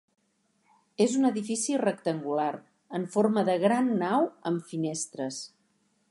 És un edifici rectangular en forma de gran nau amb finestres.